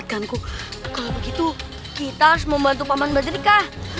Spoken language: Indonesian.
kalau begitu kita harus membantu paman badrika